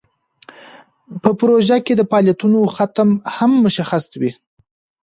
په پروژه کې د فعالیتونو ختم هم مشخص وي.